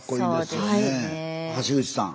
橋口さん。